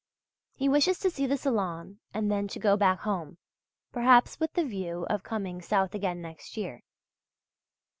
He wishes to see the Salon and then to go back home, perhaps with the view of coming South again next year.